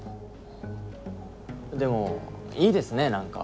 でもいいですね何か。